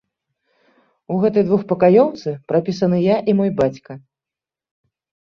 У гэтай двухпакаёўцы прапісаны я і мой бацька.